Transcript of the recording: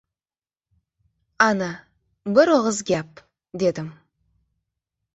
— Ana, bir og‘iz gap! — dedim.